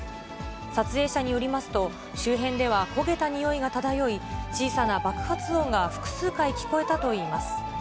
撮影者によりますと、周辺では焦げた臭いが漂い、小さな爆発音が複数回聞こえたといいます。